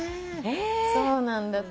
そうなんだって。